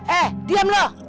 eh diam lu